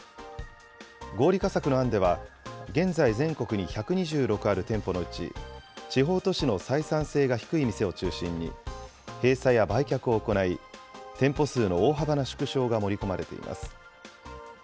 合理化策の案では、現在、全国に１２６ある店舗のうち、地方都市の採算性が低い店を中心に、閉鎖や売却を行い、店舗数の大幅な縮小が盛り込まれています。